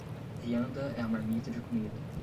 Vianda é a marmita de comida